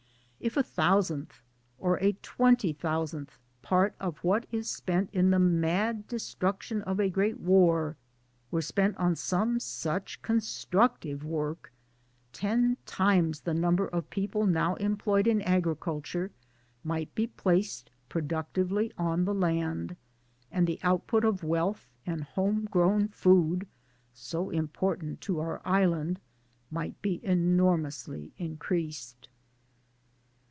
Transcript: If a thousandth, if a twenty thousandth part of what is spent in the mad destruction of a great war were spent on some such constructive work, ten times the number of people now employed in agriculture might be placed productively on the land, and the output of wealth and home grown food (so important to our island) might be enormously increased.